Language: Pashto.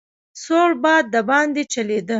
سوړ باد دباندې چلېده.